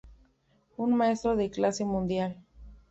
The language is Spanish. Un maestro de clase mundial.